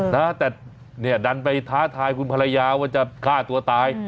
นะแต่เนี่ยดันไปท้าทายคุณภรรยาว่าจะฆ่าตัวตาย